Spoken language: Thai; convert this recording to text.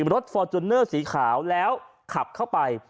ฟอร์จูเนอร์สีขาวแล้วขับเข้าไป